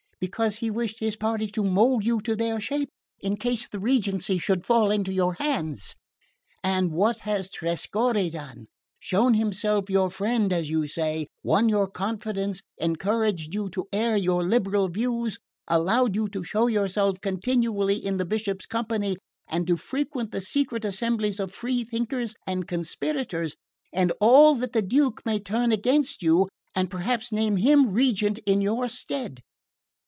Because he wished his party to mould you to their shape, in case the regency should fall into your hands. And what has Trescorre done? Shown himself your friend, as you say won your confidence, encouraged you to air your liberal views, allowed you to show yourself continually in the Bishop's company, and to frequent the secret assemblies of free thinkers and conspirators and all that the Duke may turn against you and perhaps name him regent in your stead!